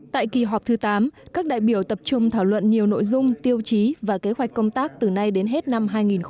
tại kỳ họp thứ tám các đại biểu tập trung thảo luận nhiều nội dung tiêu chí và kế hoạch công tác từ nay đến hết năm hai nghìn hai mươi